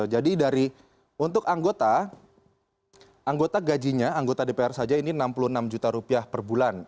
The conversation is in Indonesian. jadi dari untuk anggota anggota gajinya anggota dpr saja ini enam puluh enam juta rupiah per bulan